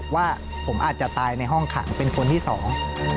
ว่าผมอาจจะตายในห้องขังเป็นคนที่สอง